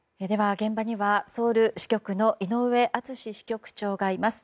現場にはソウル支局の井上敦支局長がいます。